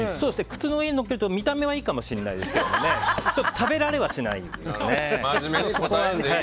靴の上にのっけると見た目はいいかもしれないですけどちょっと食べられはしないです。